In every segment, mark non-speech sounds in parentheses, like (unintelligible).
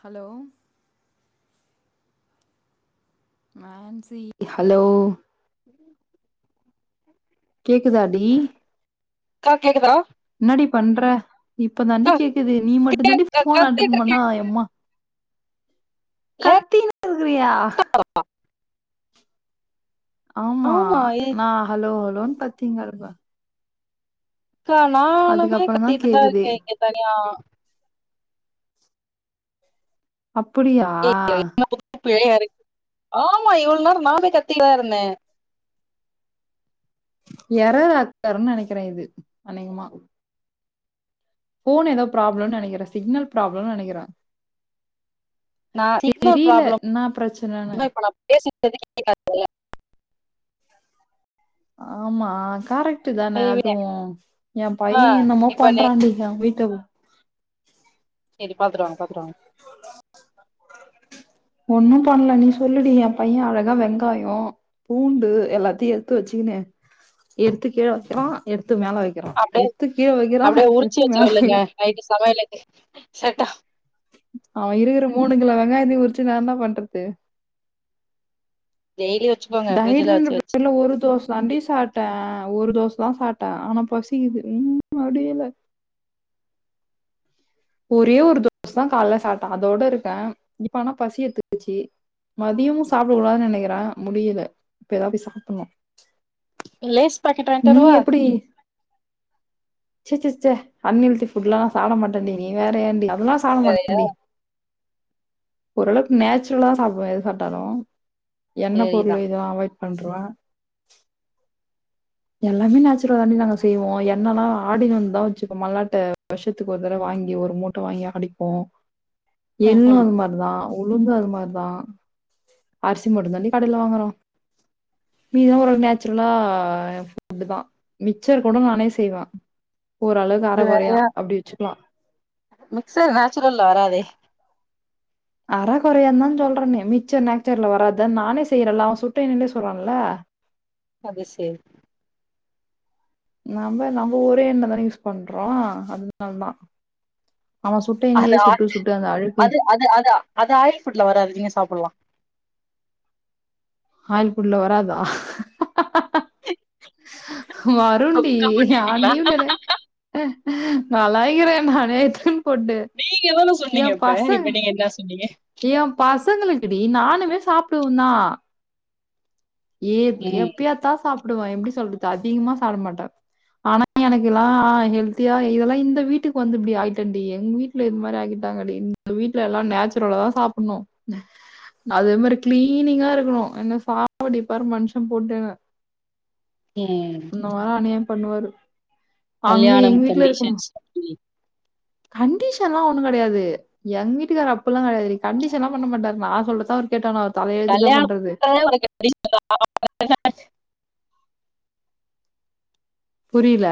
Hello hello ம் கேக்குதாடி கேக்லிங்க ப்ரோ என்னடி பண்ற இப்ப தாண்டி கேக்குது நீ மட்டும் தாண்டி கேக்குதுக்கா ஃபோன் கத்திட்டு அட்டன் பண்ண இருக்கே எம்மா கத்தின் கக்றியா அர்க் அ ஆமா நா ஹலோ ஹலோன்னு கத்தின் கெடப்ப கா நாங்களுமே அதுக்கப்புறம் தான் கத்திட்டு தா கேக்குது இருக்கே இங்க தனியா அப்படியா பேயா இருக் ஆமா இவ்ள் நேரோ நானே கத்திக்ட் தா இருந்தே எறா ஆக் வாருன் நெனைக்கிற இது அநேகமா ஃபோன் எதோ ப்ராப்ளம் நெனைக்கிற சிக்னல் ப்ராப்ளம் நெனைக்கிற நான் தெரில இன்னா பிரச்சனனு பேசி இப்பொதிக்கி (unintelligible) ஆமா கரெக்ட்டு தான செய்வேன். அதுவும் என் ஆ, பையன் என்னமோ இப்ப நீ பண்றான்டி இது அவுங்ளுக் தெர்யோ செரி பாத்துட் வாங்க பாத்துட் வாங்க ஒன்னும் பண்ல நீ சொல்லுடி என் பைய அழகா வெங்காயோ பூண்டு எல்லாத்தையு எத்து வச்சுக்னு எடுத்து கீழ வெக்கிறான் எடுத்து மேல வெக் க்கிறான் அப்படியே எத்து கீழ வெக்கிறான் அப்படியே உரிச்சு எத்து மேல வச்சிடலுங்க வெக்கிறான் நைட்டு சமயலக்கு செய்ட்டோ அவன் இருக்கிற மூணு கிலோ வெங்காயத்த உரிச்சு நா என்ன பண்றது டெய்லி வச்சுக்கோங்க ஃப்ரிட்ஜ்ல டயட்ன்ற வச்சு வச்சு பேர்ல ஒரு தோஸ் தாண்டி சாப்ட்ட ஒரு தோஸ் தா சாப்ட்ட ஆனா பசிக்குது ஒன்னும் முடியல ஒரே ஒரு தோச தா காய்ல சாப்ட்ட அதோட இருக்க இப்ப ஆனா பசி எத்துக்குச்சி மதியமு சாப்டக் கூடாதுன் நெனைக்கிற முடியல இப்ப எதாவ்து சாப்புன்னோ லேஸ் பாக்கெட் வாய்ங்ட்வருவா சி சி ச்ச அன்ஹேல்த்தி ஃபுட்ல்லா நா சாப்ட மாட்டண்டி நீ வேற ஏண்டி அதெல்லா சாப்ட சரியா மாட்டன்டி ஓரளவ்க் நேச்சுரலா சாப்டுவ எது சாப்ட்டாலு எண்ணெ பொருள் சரிதான் எதுவு அவாய்ட் பண்ருவ எல்லாமே நேச்சுரல் தாண்டி நாங்க செய்வோ எண்ணெல்லா ஆடின் வந்து தா வச்சுப்போ மல்லாட்ட வர்ஷத்துக் ஒரு தடவ வாங்கி ஒரு மூட் ட வாங்கி அடிப்போ ம், எள்ளும் ம். இம்மார் தா உளுந்தோ அது மாரி தா அரிசி மட்டும் தாண்டி கடைல வாங்குறோ இதா ஒரு நேச்சுரலா அப்டி தா மி்க்சர் கூட நானே செய்வே ஓரளவ் அர இது கொறையா வேறையா அப்டி வச்சுக்லா மிக்சர் நேச்சுரல்ல வராதே அர கொறையாந் தா சொல்றேன்னே மிச்சர் நேச்சர்ல வராதா நானே செய்றல அவன் சுட்ட எண்ணெய்லே சுட்றான்ல அது செர் நம்போ நம்போ ஒரே எண்ணெ தான யூஸ் பண்றோ அதுனால் தா அவன் சுட்ட எண்ணெய்லே அது சுட்டு சுட்டு அந்த அழுக்கு அது அதா அது ஆயில் ஃபுட்ல வராது நீங்க சாப்புட்லா ஆயில் ஃபுட்ல வராதா வருண்டி சொக்க ஆ மாட்டிக்கிட்டீங்களா நீ ஒன நல்லாயிக்கிற நானே எத்துன்னு நீங்க தான சொன்னீங்க இப்ப இப்ப நீங்க என்ன சொன்னீங்க ஏ பசங்களுக்குடி நானுமே சாப்டுவ தா ஏத் ம் எப்பயாத்தா சாப்டுவ எப்டி சொல்றது அதிகமா சாப்ட மாட்ட ஆனா எனக்குல்லா ஹெல்தியா இதெல்லா இந்த வீட்டுக்கு வந்து இப்டி ஆயிட்டேன்டி எங்க வீட் ல இது மாரி ஆக்கிட்டாங்கடி இந்த வீட்ல எல்லா நேச்சுரலா தா சாப்புட்ணு அதே மாரி கிளீனிங்கா இருக்கணு என்ன சாவடிப்பாரு மனுஷ போட்டு என்ன ஏ வர அநியாயம் பண்ணுவாரு அங்க கல்யாணம் எங்க வீட்ல இருக்கும் கண்டிஷன்ஸ் கண்டிஷன்லா ஒன்னு கெடையாது எங்க வீட்டுக்காரு அப்பில்லா கெடையாது கண்டீஷன்லா பண்ண மாட்டாரு நா சொல்றதா அவர் கேட்டான கல்யாண (inaudible) புரியல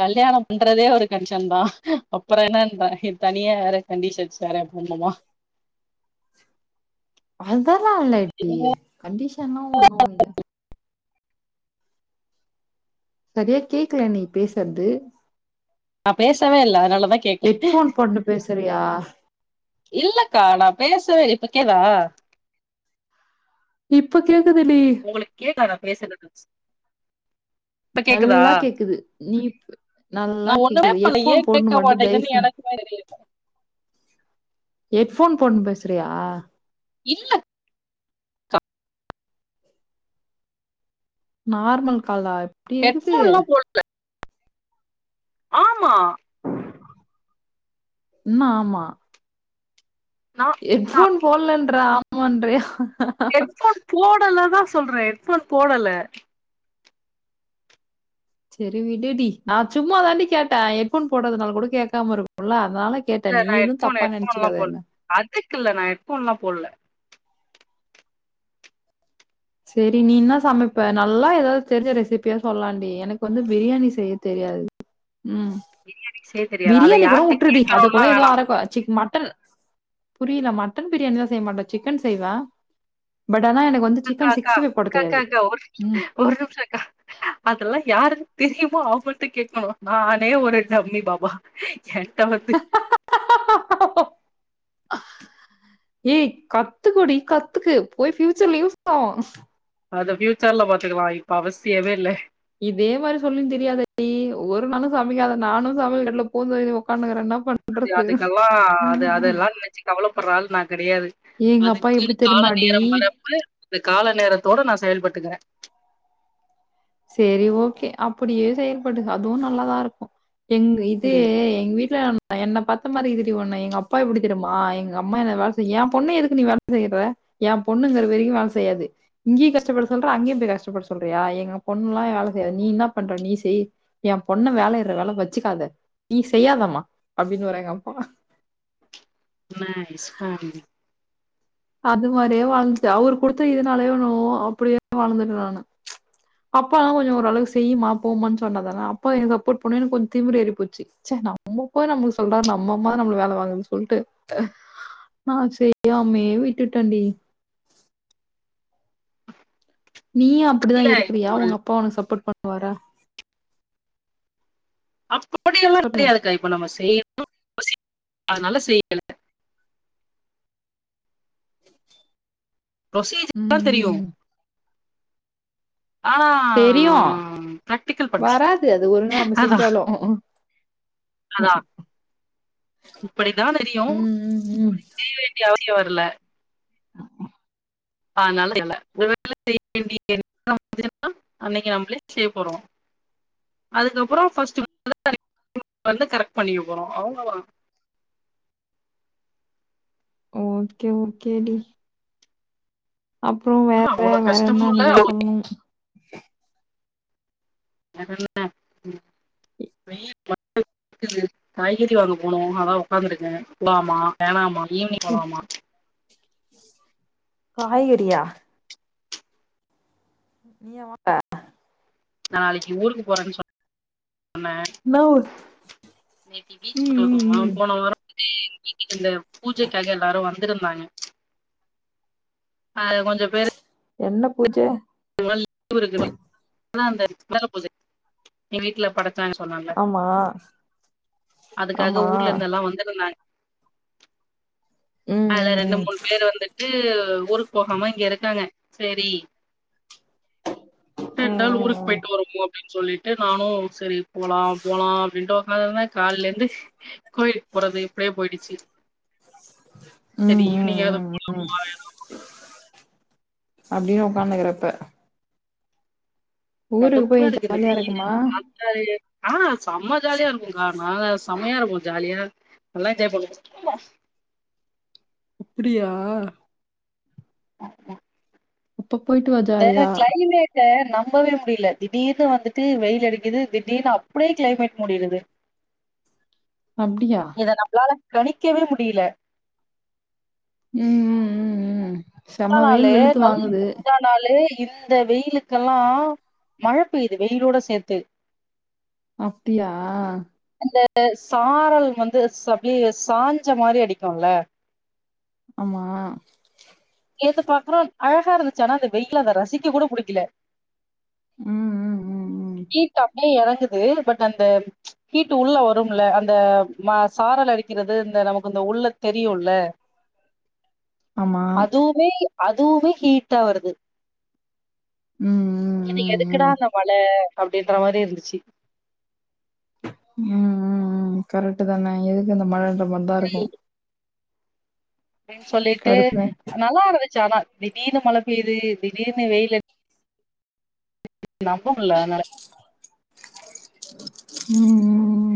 கல்யாணம் பண்றதே ஒரு கன்டீஷன் தா அப்புறம் என்னன்ற இது தனியா வேற கண்டீஷன்ஸ் வேற போடணுமா அதெல்லா இல்லடி கண்டிஷன்லா ஒன்னு இல்ல சரியா கேக்கல நீ பேசறது நா பேசவே இல்ல அதனாலதா கேக்கல ஹெட்ஃபோன் போட்டு பேசுறியா இல்லக்கா நா பேசவே இப்பக்கேதா இப்ப கேக்குதடி உங்களுக்கு கேக்காதா பேசுற நல்லா கேக்குது நீ நா நல்லா ஒண்ணுமே கேக்குது பண்ணல ஏ ஹெட்ஃபோன் போட்ணு கேட்க மட்டு தயவு மாட்டேங்குதுன்னு செஞ் எனக்குமே தெரியல ஹெட்ஃபோன் போட்ணு பேசுறியா இல்ல நார்மல் காலா இப்டி இருக்குது ஹெட்ஃபோன்லா போட்ல ஆமா என்ன ஆமா நா ஹெட் ஃபோன் போட்லன்ற ஆமான்றியா ஹெட்ஃபோன் போடலதா சொல்ற ஹெட்ஃபோன் போடல செரி விடுடி நா சும்மா தாண்டி கேட்ட ஹெட்ஃபோன் போடுறதுனால கூட கேக்காம இருக்கும்ல அதனால கேட்ட இல்ல நீ நா எதுவு ஹெட்ஃபோன் தப்பா ஹெட்ஃபோன்லா நெனைச்சுக்காத போடல என்ன அதுக்கு இல்ல நா ஹெட்ஃபோன்லா போட்ல செரி நீ என்ன சமைப்ப நல்லா ஏதாவது தெரிஞ்ச ரெசிப்பியா சொல்லண்டி எனக்கு வந்து பிரியாணி செய்ய தெரியாது ம் பிரியாணி செய்ய தெரியாது அத பிரியாணி கூட யார்ட்ட விட்டுருடி அத கேக்கணுன்லா கூட ஏதோ வேணா அரக்கொ மட்டன் புரியல மட்டன் பிரியாணிதா செய்ய மாட்ட சிக்கன் செய்வ பட் ஆனா எனக்கு வந்து சிக்கன் காக்கக்கா சிக்ஸ்டி ஃபைவ் போட தெரியாது காக்கக்கா ஒரு ம் ஒரு நிமிஷக்கா அதெல்லா யாருக் தெரியுமோ அவுங்கள்ட்ட கேக்கணு நா னே ஒரு டம்மி பாபா என்ட்ட வந்து ஏய் கத்துக்கோடி கத்துக்கு போய் ஃபியூச்சர்ல யூஸ் ஆகு அத ஃபியூச்சர்ல பாத்துக்குலா இப்ப அவசியமே இல்ல இதே மாரி சொல்லின் திரியாத டி ஒரு நாளு சமைக்காத நானு சமையல் கட்ல புகுந்தேரி ஒக்கான்னுக்குறன்னா அது அதுக்கெல்லா அது அதெல்லா நெனச்சு கவலப்பட்றால் நான் கெடையாது எங்க அப்பா எப்டி அதுக்குன் கால தெரியுமாடி? நேரம் வரப்ப அந்த கால நேரத்தோட நான் செயல்பட்டுக்குறே சேரி ஓகே அப்புடியே செயல்பட்டுக்க அதுவு நல்லாதா இருக்கு எங்கு இது ம் எங் வீட்ல என்ன பாத்த மாரி இர்கிதுடி ஒன்ன எங்க அப்பா எப்டி தெரிமா எங்க அம்மா என் வேலை செய் ஏன் பொண்ண எதுக்கு நீ வேல செய்ய சொற என் பொண்ணுங்கிற வரைக்கு வேல செய்யாது இங்கியு கஷ்டப்பட சொல்ற அங்கியு போய் கஷ்டப்பட சொல்றியா எங்க பொண்லா வேல செய்யாது நீ இன்ன பண்ற நீ செய் என் பொண்ண வேலயிட்ற வேல வச்சுக்காத நீ செய்யாதமா அப்டினவாரு எங்க அப்பா நைஸ் மேன் அது மாரியே வாழ்ந்துட்டு அவரு குடுத்த இதுனாலயோ என்னமோ அப்புடியே வளந்துட்ட நானு அப்பா கொஞ்சோ ஒரு அளவு செய்யிமா போமான் சொன்னதலா அப்பா எனக்கு அப்போட்பண்ணவு எனக்கு கொஞ் திமிர் ஏறி போச்சு ச்ச நம்மப்பா நம்ள சொல்றாரு நம்மம்மா நம்ள வேல வாங்குதுன் சொல்ட்டு நான் செய்யாமயே விட்டுடண்டி நீயு அப்புடிதா இல்ல இருக்குறியா ஒரு உங்க அப்பா ஒனக் சப்போட் பண்ணுவாரா அப்புடியெல்லா சொல்லு கெடையாதுக்கா இப்ப நம்ம செய்ணு (inaudible) யோசி அதுனால செய்யல புரொசீஜ (inaudible) லா தெரியு ம் ஆ தெரியு பிராடிக்கல் பன்ச் வராது அது ஒழுங்கா நம்ம அதா செஞ்சாலு அதா ம் இப்படித்தான் தெரியு ம் செய்ய வேண்டிய அவசியோ வர்ல அ அ ஆனால விடல (inaudible) அ அன்னைக்கு நம்ளே செய்ய போறோ அதுக்கப்புறோ ஃபஸ்ட்டு (inaudible) வந்து கரெக்ட் பண்ணிக்க போறோ அவ்ளோதா ஓகே ஓகே டி அப்றோ ஆனா வேற அவ்வளவு கஷ்டமும் வேறென்ன இல்ல நீதா அவ்வளவு சொல்னு வேறென்ன ஒன்னுல வெயில் (inaudible) குது காய்கறி வாங்க போனு அதா உக்காந்துருக்க போலாமா வேணாமா ஈவினிங் போலாமா காய்கறியா நீயா வாங்வ நாளைக்கு ஊருக்கு போறன் சொ ன்ன என்னா ஊரு இன்னைக்கு ம் பீச்சுக்கு ம் கெளம்னோமா ம் போன வாரோ வந்து எங் வீட்டுக் அந்த பூஜைக்காக எல்லாரு வந்திருந்தாங்க அதுல கொஞ்ச பேரு என்ன பூஜ டுவல் டு (inaudible) இருக்குது அதா அந்த விநாக பூஜ எங்க வீட்ல பட சாங்க சொன்னல ஆமா ஆமா அதுக்காக ஊர்ல இருந்தெல்லா வந்துருந்தாங்க ம் அதுல ம் ரெண்டு ம் மூண் பேர் வந்துட்டு ஊருக்கு போகாம இங்க இருக்காங்க சரி ம் ரெண்நாள் ஊருக்கு போய்ட்டு வருவோ அப்டின் சொல்லிட்டு நானு சரி போலா போலா அப்டின்ட்டு ஒக்காந்திருந்த கால்லிர்ந்து கோயிலுக்கு போறது இப்டியே போயிடுச்சு ம் சரி ம் ம் ஈவினிங்காவது ம் அப்படின்னு உக்கார்ந்துகிர இப்ப கடுப்பா போய் இருக்கு இந்த ஜாலியா வெயிலு இருக்குமா பாக் ஆ செம்ம ஜாலியா இருக்குங்க்கா நாங்க செமையா இருக்கு ஜாலியா நல்ல என்ஜாய் பண்ணுவோ அப்பிடியா ஆமா இப்ப போயிட்டு வ இந்த கிளைமேட் ட நம்பவே முடில திடீர்னு வந்துட்டு வெயில் அடிக்கிது திடீர்னு அப்டியே கிளைமேட் மூடிருது அப்டியா இத நம்மளால கணிக்கவே முடில ம் ம் ம் ம் மழ செம்ம நாளு வெயில் வெளுத்து நல்ல வாங்குது மழ நாளு இந்த வெயிலுக்கெல்லா மழ பெய்யுது வெயிலோட சேத்து அப்டியா அந்த சாரல் வந்து ஸ் அப்டியே சாஞ்ச மாரி அடிக்குல்ல ஆமா இங்கருந்து பாக்குறோ அழகா இருந்துச்சு ஆனா அது வெயில அத ரசிக்க கூட புடிக்கல ம் ம் ம் ம் ஹீட் அப்டியே எறங்கது பட் அந்த ஹீட்டு உள்ள வருமுல்ல அந்த மா சாரல் அடிக்கிறது இந்த நமக்கு இந்த உள்ள தெரியுல்ல (inaudible) அதுவுமே அதுவுமே ஹீட் ஆ வருது ம் ம் இது ம் எதுக்குடா ம் அந்த மழ அப்டின்ற மாரி இருந்துச்சு ம் ம் ம் கரெக்ட் தான எதுக்கு இந்த மழன்ற மாரி தா இருக்கு அப்டின் சொல்லிட்டு கடுப்புதா நல்லா இருந்துச்சு ஆனா திடீர்னு மழ பெய்து திடீர்னு வெயில் நம்ப முல்ல அதுனால ம் ம்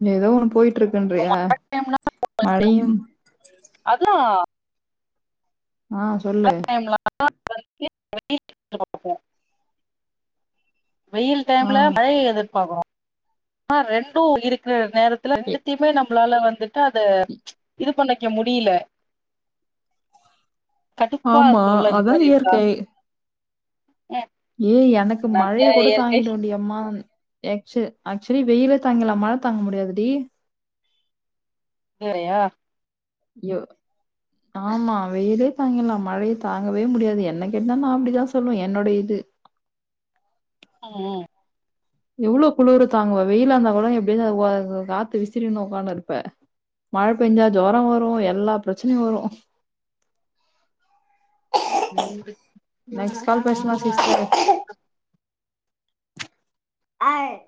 ம் ஏதோ ஒண்ணு போயிட்டு இருக்குன்ரியா மழையும் அதா ஆ சொல்லு (inaudible) வெயில் எதிர்பார்க்கிறோம். வெயில் ஆ டைம்ல மழைய எதிர்பாக்குறோ ஆ ரெண்டு இருக்குற நேரத்துல எ- ரெண்டுத்தையுமே நம்மளால வந்துட்டு அத இது பண்ணி க்க முடில கடுப்பா ஆமா இருக்குல்ல அந்த அதான் மாரி இருந்தா இயற்கை அ ஏய் எனக்கு மழைய கூட தாங்கிடுவன்டி எம்மா எக்சு ஆக்சுவலி வெயில தாங்கிலா மழ தாங்க முடியாது டி இது வேறயா யோ ஆமா வெயிலே தாங்கிலா மழய தாங்கவே முடியாது என்ன கேட்டா நா அப்டிதா சொல்வே என்னுடைய இது ம் ம் எவ்ளோ குளுற தாங்குவ வெயிலா இருந்தா கூட எப்டிதா வ க காத்து விசிறி னு உக்கான்னுருப்ப மழ பேஞ்சா ஜொரொ வரு எல்லா பிரச்சனையு வரு நெக்ஸ்ட் ஆ, கால் ஆ, பேசலா ஆ. சிஸ்டர் ஆய்